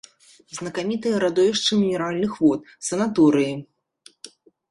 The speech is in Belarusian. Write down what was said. Знакамітыя радовішчы мінеральных вод, санаторыі.